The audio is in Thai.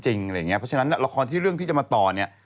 เพราะฉะนั้นละครที่เรื่องที่จะมาต่อเนี่ย